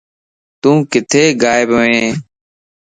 تو ڪٿي غائب ائين؟